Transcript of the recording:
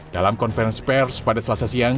dalam konferensi pers pada selasa siang